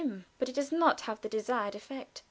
But it does not have the desired effect.